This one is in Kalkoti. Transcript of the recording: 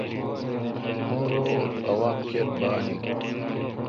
او روڑ عوام کیر بان این۔